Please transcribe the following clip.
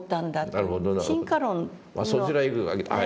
あそちらへ行くわけだ。